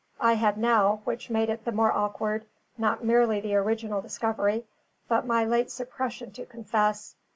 I had now, which made it the more awkward, not merely the original discovery, but my late suppression to confess.